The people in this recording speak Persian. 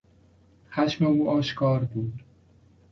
خشم او آشکار بود.